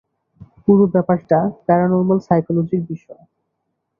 পুরো ব্যাপারটা প্যারানরমাল সাইকোলজির বিষয়।